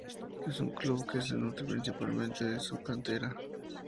Es un club que se nutre principalmente de su cantera.